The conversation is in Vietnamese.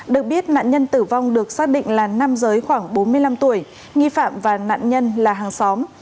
được biết nạn nhân tử vong được xác định là nam giới khoảng bốn mươi năm tuổi nghi phạm và nạn nhân là hàng xóm